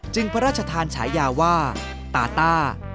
พระราชทานฉายาว่าตาต้า